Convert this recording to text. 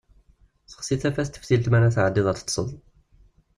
Sexsi tafat n teftilt mi ara tɛeddiḍ ad teṭṭseḍ.